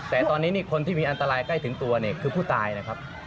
แต่ตอนนี้คนที่มีอันตรายใกล้ถึงตัวเนี่ยคือผู้ตายนะครับ